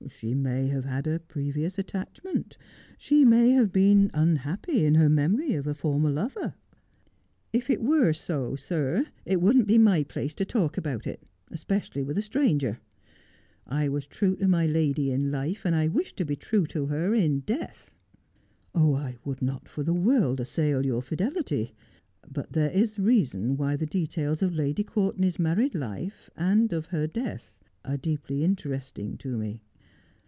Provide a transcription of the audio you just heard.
She may have had a previous attachment. She may have been unhappy in her memory of a former lover.' ' If it were so, six , it wouldn't be my place to talk about it, especially with a stranger. I was true to my lady in life, and I wish to be true to her in death.' ' I would not for the world assail your fidelity. But there is a reason why the details of Lady Courtenay's married life and of her death are deeply interesting to me.